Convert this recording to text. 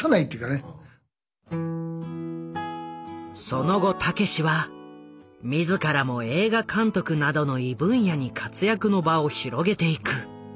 その後たけしは自らも映画監督などの異分野に活躍の場を広げていく。